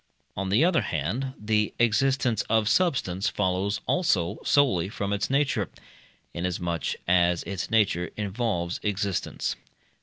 On the other hand, the existence of substance follows also solely from its nature, inasmuch as its nature involves existence.